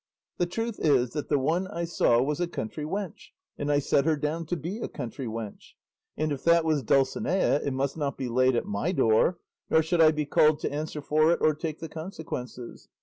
The truth is that the one I saw was a country wench, and I set her down to be a country wench; and if that was Dulcinea it must not be laid at my door, nor should I be called to answer for it or take the consequences.